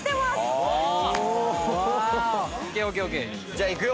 じゃあいくよ。